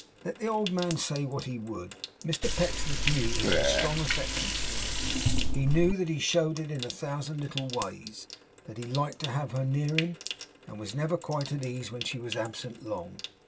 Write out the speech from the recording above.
Let the old man say what he would, Mr Pecksniff knew he had a strong affection for her. He knew that he showed it in a thousand little ways; that he liked to have her near him, and was never quite at ease when she was absent long.